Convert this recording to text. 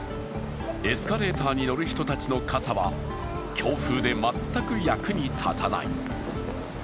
エスカレーターに乗る人たちの傘は強風で全く役に立たない。